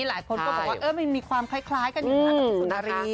หลายคนก็บอกว่ามันมีความคล้ายกันอยู่นะกับพี่สุนารี